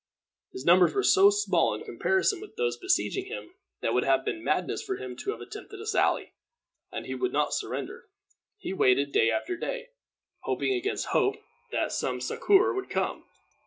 His numbers were so small in comparison with those besieging him that it would have been madness for him to have attempted a sally; and he would not surrender. He waited day after day, hoping against hope that some succor would come.